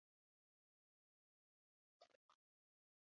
Bo‘g‘ilib-bo‘g‘ilib pishqirdi.